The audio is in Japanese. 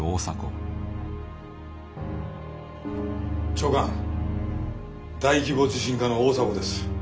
長官大規模地震課の大迫です。